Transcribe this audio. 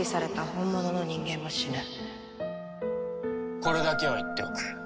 これだけは言っておく。